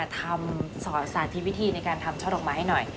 สอนสาธิตวิธีในการทำช่อดอกไม้ให้หน่อย